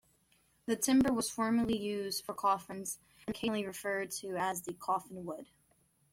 The timber was formerly used for coffins and is occasionally referred to as "coffinwood".